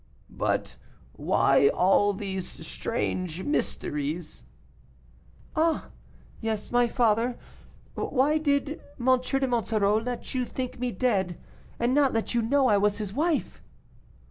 "But why all these strange mysteries?" "Ah, yes, my father; why did M. de Monsoreau let you think me dead, and not let you know I was his wife?"